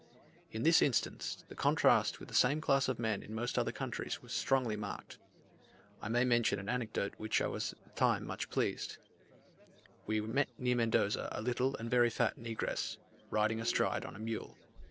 In this instance, the contrast with the same class of men in most other countries was strongly marked. I may mention an anecdote with which I was at the time much pleased: we met near Mendoza a little and very fat negress, riding astride on a mule.